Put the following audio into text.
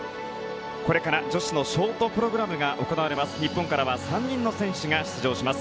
これから女子のショートプログラムが行われます。